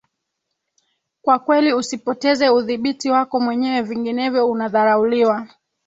kwa kweli usipoteze udhibiti wako mwenyewe vinginevyo unadharauliwa